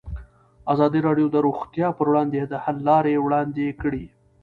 ازادي راډیو د روغتیا پر وړاندې د حل لارې وړاندې کړي.